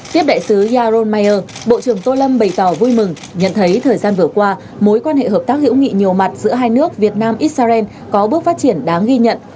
tiếp đại sứ yaron mayer bộ trưởng tô lâm bày tỏ vui mừng nhận thấy thời gian vừa qua mối quan hệ hợp tác hữu nghị nhiều mặt giữa hai nước việt nam israel có bước phát triển đáng ghi nhận